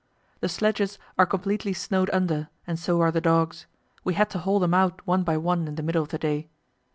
The sledges are completely snowed under, and so are the dogs; we had to haul them out one by one in the middle of the day.